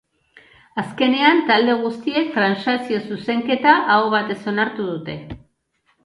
Azkenean, talde guztiek transakzio-zuzenketa bat aho batez onartu dute.